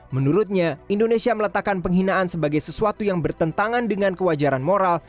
menurutnya indonesia meletakkan penghinaan sebagai sesuatu yang bertentangan dengan kewajaran moral